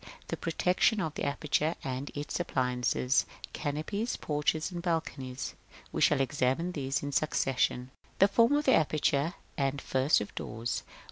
The protection of the aperture, and its appliances, i.e., canopies, porches, and balconies. We shall examine these in succession. § II. 1. The form of the aperture: and first of doors.